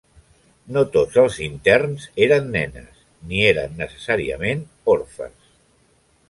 No tots els interns eren nenes, ni eren necessàriament orfes.